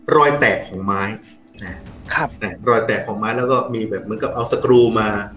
รอยแตกของไม้นะครับแตกรอยแตกของไม้แล้วก็มีแบบเหมือนกับเอาสกรูมา